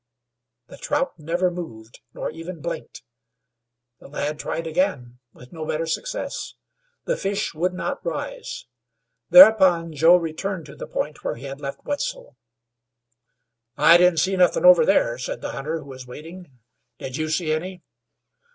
The trout never moved, nor even blinked. The lad tried again, with no better success. The fish would not rise. Thereupon Joe returned to the point where he had left Wetzel. "I couldn't see nothin' over there," said the hunter, who was waiting. "Did you see any?'